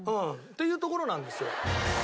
っていうところなんですよ。